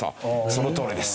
そのとおりです。